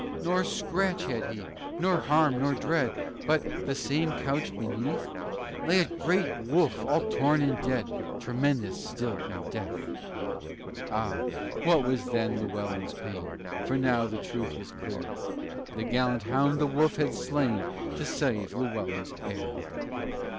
Nor scratch had he, nor harm, nor dread, But, the same couch beneath, Lay a great wolf, all torn and dead Tremendous still in death. Ah! What was then Llewellyn's pain! For now the truth was clear: The gallant hound the wolf had slain To save Llewellyn's heir.